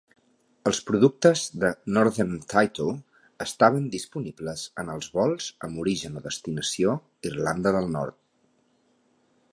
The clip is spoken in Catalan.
Els productes de Northern Tayto estaven disponibles en els vols amb origen o destinació Irlanda del Nord.